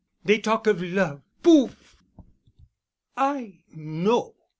Dey talk of love—Pouf! I know.